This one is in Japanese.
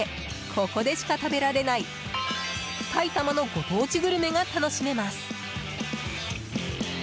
ここでしか食べられない埼玉のご当地グルメが楽しめます。